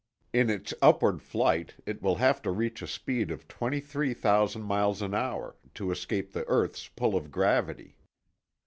In its upward flight, it will have to reach a speed of 23,000 miles an hour, to escape the earth's pull of gravity.